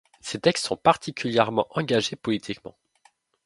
Ses textes sont particulièrement engagés politiquement.